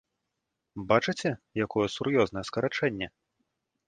Бачыце, якое сур'ёзнае скарачэнне?